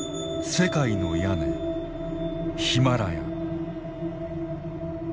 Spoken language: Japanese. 世界の屋根ヒマラヤ。